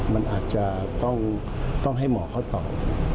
มันอาจจะต้องให้หมอเขาตอบ